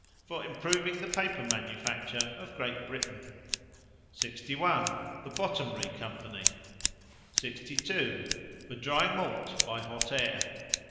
For improving the paper manufacture of Great Britain. 61. The Bottomry Company. 62. For drying malt by hot air.